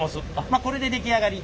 まあこれで出来上がり。